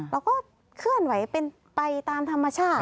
เราก็เคลื่อนไหวเป็นไปตามธรรมชาติ